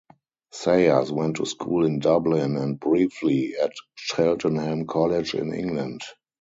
Sayers went to school in Dublin and briefly at Cheltenham College in England.